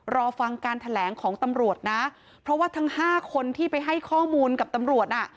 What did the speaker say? รอฟังการแถลงของตำรวจนะเพราะว่าทั้งห้าคนที่ไปให้ข้อมูลกับตำรวจน่ะ